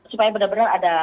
supaya benar benar ada